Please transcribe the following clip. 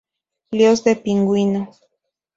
Líos de Pingüino